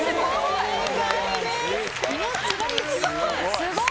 すごい。